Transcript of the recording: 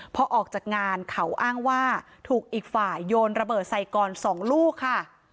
พอออกจากงานเขาอ้างว่าถูกอีกฝ่ายโยนระเบิดใส่ก่อน๒ลูกค่ะ